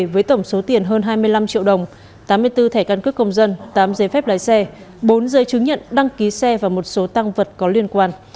với tổng số tiền hơn hai mươi năm triệu đồng tám mươi bốn thẻ căn cước công dân tám giấy phép lái xe bốn giấy chứng nhận đăng ký xe và một số tăng vật có liên quan